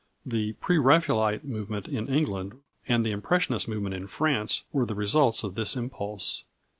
The Pre Raphaelite movement in England and the Impressionist movement in France were the results of this impulse.